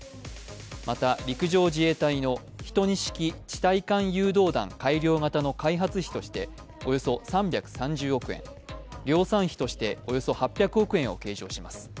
また、陸上自衛隊の１２式地対艦誘導弾改良型の開発費としておよそ３３０億円量産費としておよそ８００億円を計上します。